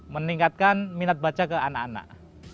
meningkatkan minat baca ke anak anak